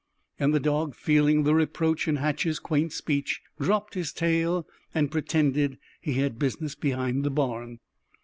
And the dog, feeling the reproach in Hatch's quaint speech, dropped his tail and pretended he had business behind the barn.